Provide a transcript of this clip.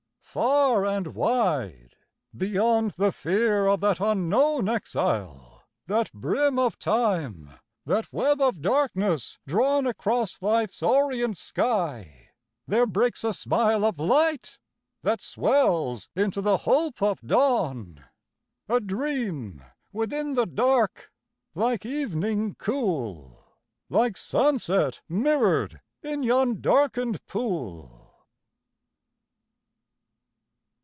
Far and wide, Beyond the fear of that unknown exile, That brim of Time, that web of darkness drawn Across Life's orient sky, there breaks a smile Of light that swells into the hope of dawn : A dream within the dark, like evening cool, Like sunset mirror'd in yon darken'd pool.